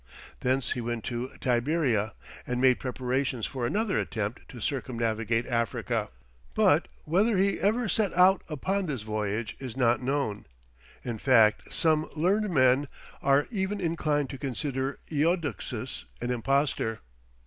Thence he went to Tiberia, and made preparations for another attempt to circumnavigate Africa, but whether he ever set out upon this voyage is not known; in fact some learned men are even inclined to consider Eudoxus an impostor.